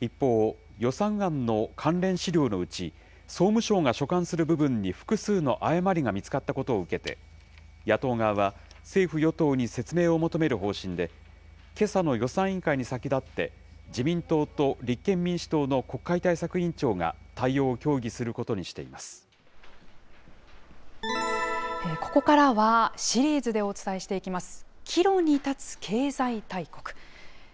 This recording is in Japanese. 一方、予算案の関連資料のうち、総務省が所管する部分に複数の誤りが見つかったことを受けて、野党側は、政府・与党に説明を求める方針で、けさの予算委員会に先立って、自民党と立憲民主党の国会対策委員長が対応を協議することにしてここからは、シリーズでお伝えしていきます、岐路に立つ経済大国。